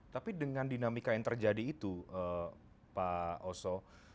tapi dengan dinamika yang terjadi itu pak oso